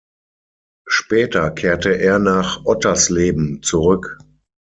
Später kehrte er nach Ottersleben zurück.